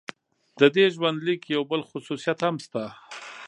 د دې ژوندلیک یو بل خصوصیت هم شته.